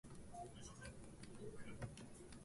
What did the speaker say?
北海道倶知安町